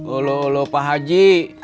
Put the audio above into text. olah olah pak haji